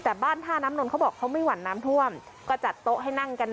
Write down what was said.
แต่บ้านท่าน้ำนนท์เขาบอกเขาไม่หวั่นน้ำท่วมก็จัดโต๊ะให้นั่งกัน